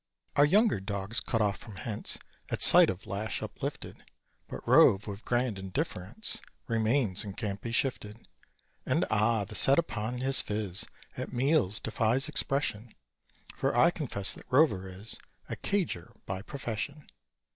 Our younger dogs cut off from hence At sight of lash uplifted; But Rove, with grand indifference, Remains, and can't be shifted. And, ah! the set upon his phiz At meals defies expression; For I confess that Rover is A cadger by profession.